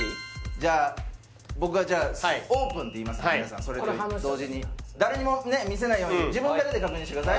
じゃあ僕がじゃあオープンっていいますんで皆さんそれで同時に誰にも見せないように自分だけで確認してください